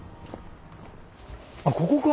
あっここか。へ。